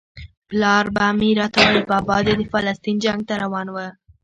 پلار به مې راته ویل بابا دې د فلسطین جنګ ته روان و.